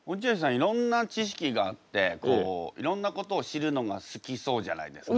いろんな知識があっていろんなことを知るのが好きそうじゃないですか。